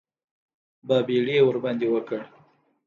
بابېړي یې ورباندې وکړ.